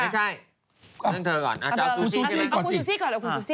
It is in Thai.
ไม่ใช่นั่งเธอก่อนอาจจะเอาซูซี่ก่อนสินะครับเอาคุณซูซี่ก่อนสิ